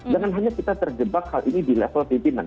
jangan hanya kita terjebak hal ini di level pimpinan